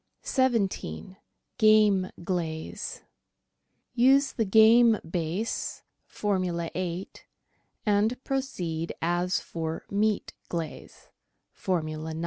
17— GAME QLAZE Use the game base (Formula 8), and proceed as for meat glaze (Formula 9).